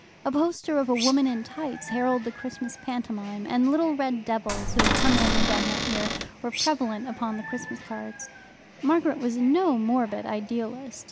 A poster of a woman in tights heralded the Christmas pantomime, and little red devils, who had come in again that year, were prevalent upon the Christmas cards. Margaret was no morbid idealist.